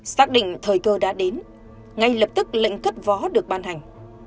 xác định thời cơ đã đến ngay lập tức lệnh cất vó được ban hành